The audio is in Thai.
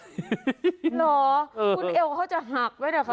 เหรอคุณเอวเขาจะหักไว้เหรอคะ